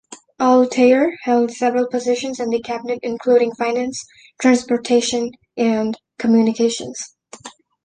Al Tayer held several positions in the cabinet including finance, transportation and communications.